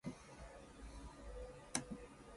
The musical was dramatically revamped.